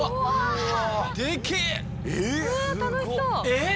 えっ！